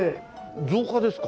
造花ですか？